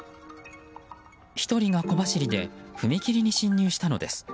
１人が小走りで踏切に侵入したのです。